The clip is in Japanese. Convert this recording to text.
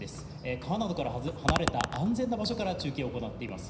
川などから離れた安全な場所から中継を行っています。